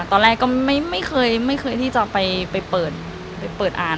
ตอนแรกก็ไม่เคยที่จะไปเปิดอ่าน